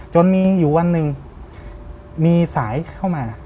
จนมีอยู่วันหนึ่งมีสายเข้ามา